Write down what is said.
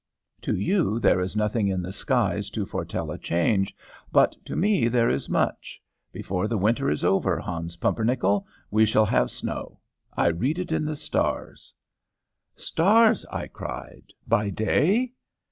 To you there is nothing in the skies to foretell a change, but to me there is much. Before the winter is over, Hans Pumpernickel, we shall have snow. I read it in the stars." "Stars?" I cried. "By day?"